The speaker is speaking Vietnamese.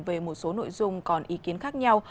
về một số nội dung còn ý kiến khác nhau